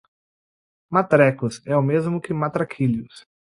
"Matrecos" é o mesmo que "matraquilhos".